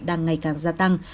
đang ngày càng gia tăng